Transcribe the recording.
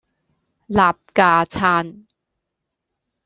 擸架撐